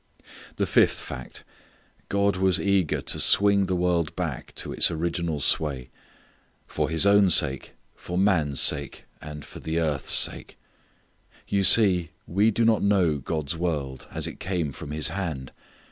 The fifth fact: God was eager to swing the world back to its original sway: for His own sake, for man's sake, for the earth's sake. You see, we do not know God's world as it came from His hand.